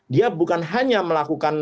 dia bukan hanya melakukan